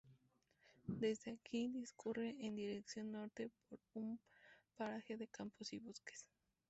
Desde aquí discurre en dirección norte por un paraje de campos y bosques.